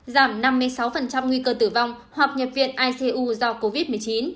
giảm năm mươi sáu nguy cơ tử vong hoặc nhập viện icu do covid một mươi chín